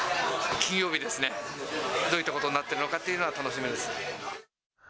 金曜日ですね、どういったことになってるのかっていうのは楽しみです。